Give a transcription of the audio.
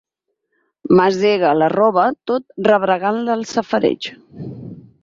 Masega la roba tot rebregant-la al safareig.